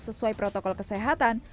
sesuai protokol kesehatan